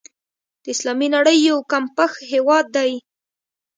د اسلامي نړۍ یو کمپېښ هېواد دی.